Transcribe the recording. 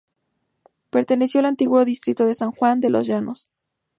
Perteneció al antiguo Distrito de San Juan de los Llanos.